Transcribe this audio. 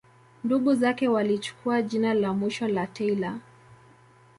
Ndugu zake walichukua jina la mwisho la Taylor.